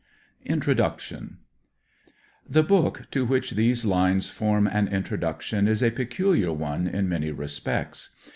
INTRODUCTION The book to which these lines form an introduction is a peculiar one in many respects.